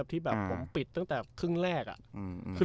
ที่ฟังหมดเท่าไหร่